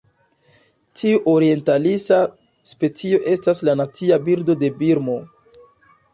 Tiu orientalisa specio estas la nacia birdo de Birmo.